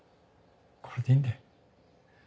これでいいんだよ。